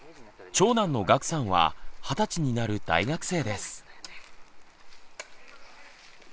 長男の岳さんは二十歳になる大学生です。